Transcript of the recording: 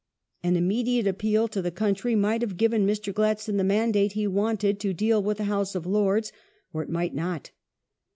An immediate appeal to the country might have given Mr. Gladstone the mandate he wanted to deal with the House of Lords ; or it might not.